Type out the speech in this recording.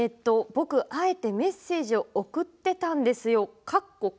ぼく、敢えてメッセージを送ってたんですよ』」。